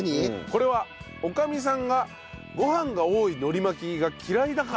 これはおかみさんがご飯が多い海苔巻きが嫌いだから。